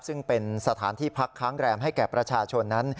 ซึ่งเป็นสถานที่พักค้างแรมให้แก่ประชาชนนั้น